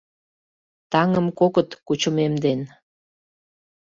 Таҥым кокыт кучымем ден